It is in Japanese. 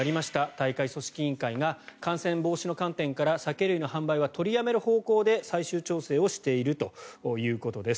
大会組織委員会が感染防止の観点から酒類の販売は取りやめる方向で最終調整をしているということです。